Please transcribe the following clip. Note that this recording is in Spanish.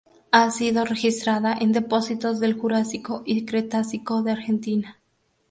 Ha sido registrada en depósitos del Jurásico y Cretácico de Argentina.